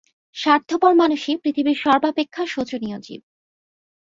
স্বার্থপর মানুষই পৃথিবীর সর্বাপেক্ষা শোচনীয় জীব।